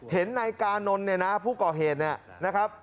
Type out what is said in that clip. เห็นนายกานนท์ผู้เกาะเหตุนะครับ